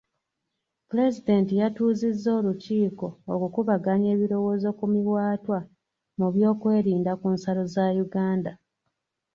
Pulezidenti yatuuzizza olukiiko okukubaganya ebirowoozo ku miwaatwa mu byokwerinda ku nsalo za Uganda.